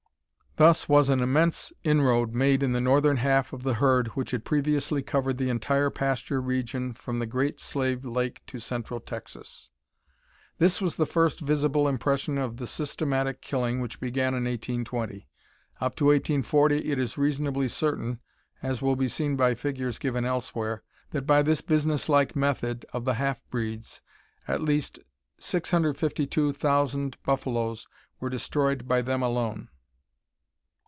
Thus was an immense inroad made in the northern half of the herd which had previously covered the entire pasture region from the Great Slave Lake to central Texas. This was the first visible impression of the systematic killing which began in 1820. Up to 1840 it is reasonably certain, as will be seen by figures given elsewhere, that by this business like method of the half breeds, at least 652,000 buffaloes were destroyed by them alone.